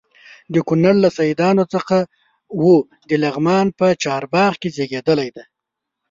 د کونړ له سیدانو څخه و د لغمان په چارباغ کې زیږېدلی دی.